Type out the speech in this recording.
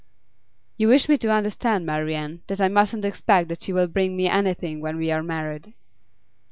'You wish me to understand, Marian, that I mustn't expect that you will bring me anything when we are married.